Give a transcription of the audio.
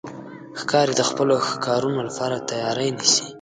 ښکاري د خپلو ښکارونو لپاره تیاری نیسي.